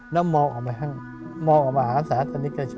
แล้วมองออกมาหาศาสนิทชน